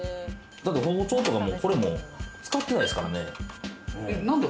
包丁とか、これも使ってないですからね。